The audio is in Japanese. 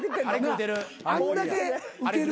あんだけウケる